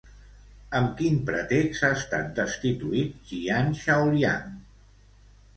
Amb quin pretext ha estat destituït Jian Chaoliang?